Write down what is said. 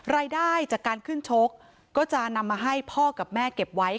รายได้จากการขึ้นชกก็จะนำมาให้พ่อกับแม่เก็บไว้